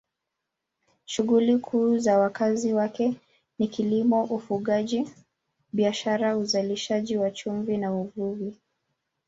Shughuli kuu za wakazi wake ni kilimo, ufugaji, biashara, uzalishaji wa chumvi na uvuvi.